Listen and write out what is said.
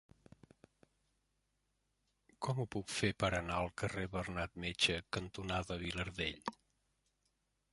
Com ho puc fer per anar al carrer Bernat Metge cantonada Vilardell?